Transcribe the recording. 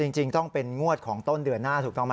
จริงต้องเป็นงวดของต้นเดือนหน้าถูกต้องไหม